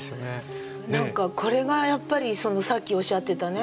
何かこれがやっぱりさっきおっしゃってたね